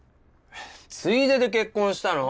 えっついでで結婚したの？